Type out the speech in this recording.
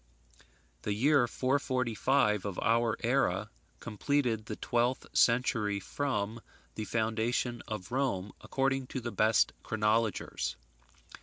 The year 445 of our era completed the twelfth century from the foundation of Rome, according to the best chronologers.